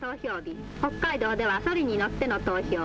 北海道ではそりに乗っての投票。